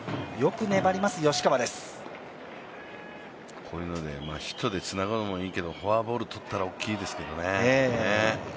こういうのでヒットでつなぐのもいいけどフォアボールで出たら大きいですけどね。